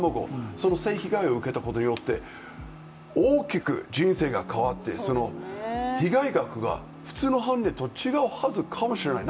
その性被害を受けたことによって、大きく人生が変わって被害額が普通の判例と違うかもしれない。